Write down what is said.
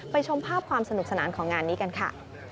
ชมภาพความสนุกสนานของงานนี้กันค่ะ